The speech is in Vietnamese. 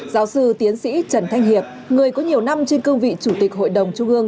giáo sư tiến sĩ trần thanh hiệp người có nhiều năm trên cương vị chủ tịch hội đồng trung ương